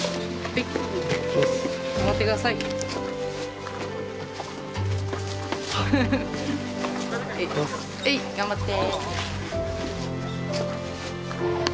はい頑張って。